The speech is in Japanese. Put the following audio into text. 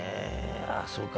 あそうか。